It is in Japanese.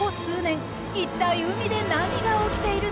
一体海で何が起きているのか？